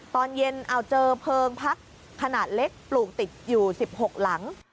ตอนเย็นเอาเจอเพลิงพักขนาดเล็กปลูกติดอยู่๑๖หลัง